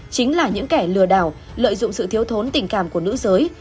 chính là những kẻ lừa đảo lợi dụng sự thiếu thốn tình cảm của nữ giới